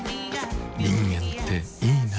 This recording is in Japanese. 人間っていいナ。